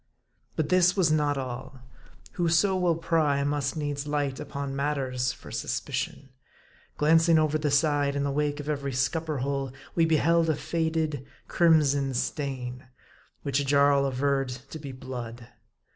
But this was not all. Whoso will pry, must needs light upon matters for suspicion. Glancing over the side, in the wake of every scupper hole, we beheld a faded, crimson stain, which Jarl averred to be blood.